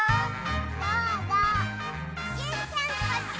どうぞジュンちゃんこっち！